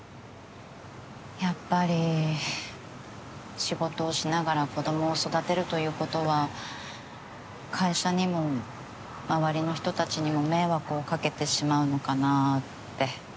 やっぱり仕事をしながら子供を育てるということは会社にも周りの人たちにも迷惑をかけてしまうのかなって。